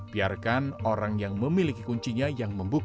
biarkan orang yang memiliki kuncinya yang membuka